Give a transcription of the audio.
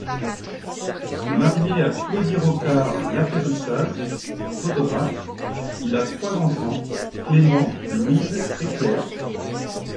Marié à Claudie Rocard-Laperrousaz, photographe, il a trois enfants, Clément, Louise et Claire.